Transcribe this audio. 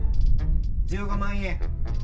１５万円。